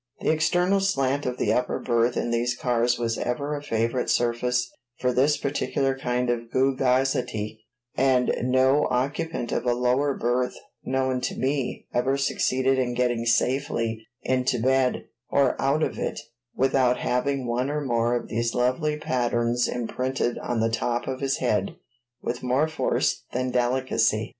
The external slant of the upper berth in these cars was ever a favorite surface for this particular kind of gew gawsity, and no occupant of a lower berth known to me ever succeeded in getting safely into bed, or out of it, without having one or more of these lovely patterns imprinted on the top of his head with more force than delicacy.